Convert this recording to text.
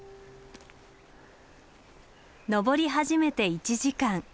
登り始めて１時間。